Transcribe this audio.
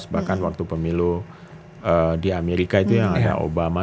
bahkan waktu pemilu di amerika itu yang ada obama